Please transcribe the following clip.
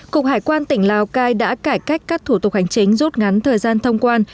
cục hải quan tỉnh lào cai đã cải cách các thủ tục hành chính rút ngắn thời gian thông quan